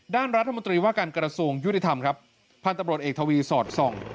ด้านรัฐมนตรีว่าการกรสูงยุทธรรมครับพันธบรตเอกทวีสอดส่อง